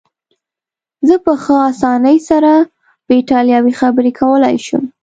زه په ښه اسانۍ سره په ایټالوي خبرې کولای شم.